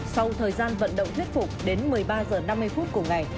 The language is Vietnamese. sau thời gian vận động thiết phục đến một mươi ba giờ năm mươi phút của ngày